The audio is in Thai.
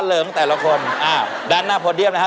เริงแต่ละคนอ่ะด้านหน้าโพดิอัมนะฮะ